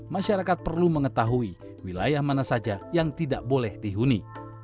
masyarakat perlu mengetahui wilayah mana saja yang tidak boleh dihuni